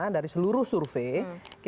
dari seluruh survei